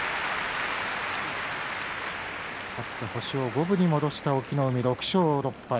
勝って星を五分に戻した隠岐の海６勝６敗。